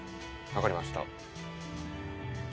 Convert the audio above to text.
分かりました。